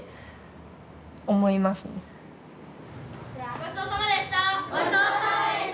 ごちそうさまでした。